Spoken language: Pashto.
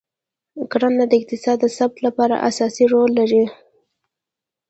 کرنه د اقتصاد د ثبات لپاره اساسي رول لري.